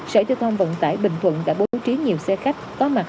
sở giao thông vận tải bình thuận đã bố trí nhiều xe khách có mặt